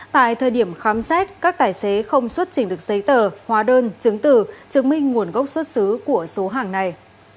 tại thời điểm khám xét các tài xế không xuất trình được giấy tờ hóa đơn chứng tử chứng minh nguồn gốc xuất xứ của số hàng này